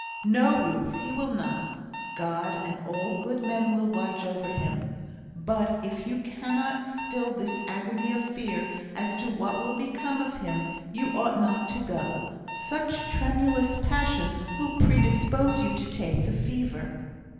"No, Ruth, he will not. God and all good men will watch over him. But if you cannot still this agony of fear as to what will become of him, you ought not to go. Such tremulous passion will predispose you to take the fever."